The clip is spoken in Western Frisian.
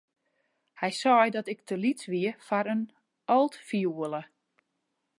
Hy sei dat ik te lyts wie foar in altfioele.